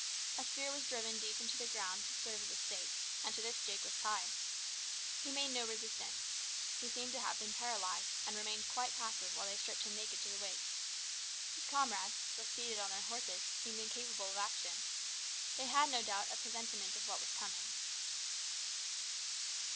A spear was driven deep into the ground to serve as a stake, and to this Jake was tied. He made no resistance. He seemed to have been paralysed, and remained quite passive while they stripped him naked to the waist. His comrades, still seated on their horses, seemed incapable of action. They had, no doubt, a presentiment of what was coming.